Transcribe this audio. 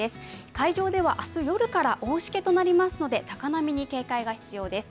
海上では明日夜から大しけとなりますので、高波に警戒が必要です。